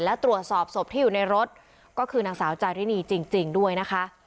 และตรวจสอบศพที่อยู่ในรถก็คือนางสาวจารินีจริงด้วยนะคะ